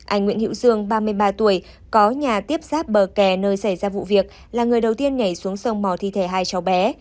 anh nguyễn hữu dương ba mươi ba tuổi có nhà tiếp giáp bờ kè nơi xảy ra vụ việc là người đầu tiên nhảy xuống sông mò thi thể hai cháu bé